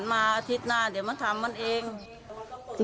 บอกเราก็นึกก็มาดูเนต